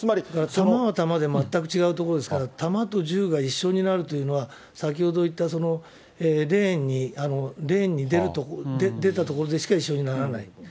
弾は弾で全く違う所ですから、弾と銃が一緒になるというのは、先ほど言った、レーンに出た所でしか一緒にならない。